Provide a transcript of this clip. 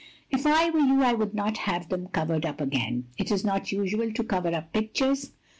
" If I were you I would not have them covered up again. It is not usual to cover up pictures.